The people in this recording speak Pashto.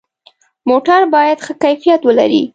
موټر باید ښه کیفیت ولري.